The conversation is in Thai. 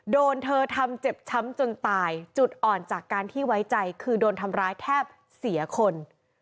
โดนเธอทำเจ็บช้ำจนตายจุดอ่อนจากการที่ไว้ใจคือโดนทำร้ายแทบเสียคน